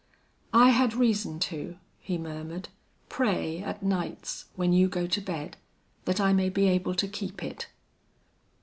"I had reason to," he murmured, "pray at nights when you go to bed, that I may be able to keep it."